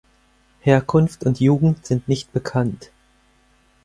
Herkunft und Jugend sind nicht bekannt.